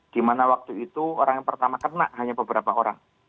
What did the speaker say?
di mana waktu itu orang yang pertama kena hanya beberapa orang